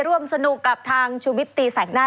ร่วมสนุกกับทางชุวิตตีแสกหน้า